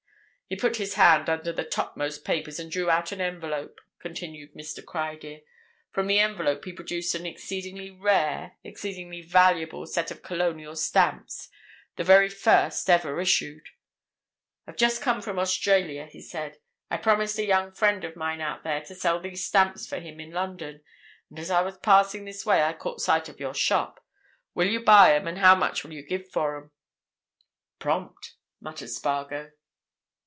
"He put his hand under the topmost papers and drew out an envelope," continued Mr. Criedir. "From the envelope he produced an exceedingly rare, exceedingly valuable set of Colonial stamps—the very first ever issued. 'I've just come from Australia,' he said. 'I promised a young friend of mine out there to sell these stamps for him in London, and as I was passing this way I caught sight of your shop. Will you buy 'em, and how much will you give for 'em?'" "Prompt," muttered Spargo.